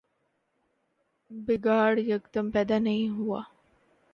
بگاڑ یکدم پیدا نہیں ہوا۔